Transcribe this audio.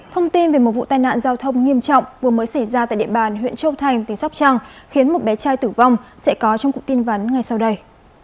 thông tin về một vụ tai nạn giao thông nghiêm trọng vừa mới xảy ra tại địa bàn huyện châu thành tỉnh sóc trăng khiến một bé trai tử vong sẽ có trong cụm tin vắn ngay sau đây